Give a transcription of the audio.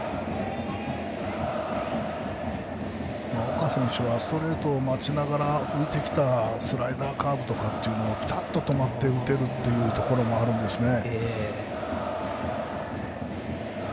岡選手はストレートを待ちながら浮いてきたスライダーカーブとかっていうのをぴたっと止まって打てるというところもあるんですね。